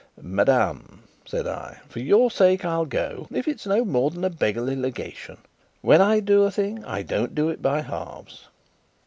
"Madame," said I, "for your sake I'll go, if it's no more than a beggarly Legation. When I do a thing, I don't do it by halves."